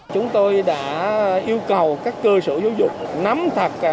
chúng tôi đã yêu cầu các cơ sở giáo dục nắm thật kỹ số giáo viên về